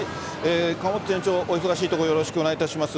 河本店長、お忙しいところ、よろしくお願いいたします。